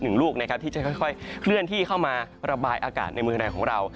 หนึ่งลูกนะครับที่จะค่อยเขื่อนที่เข้ามาประบายอากาศในมือภาคของเรา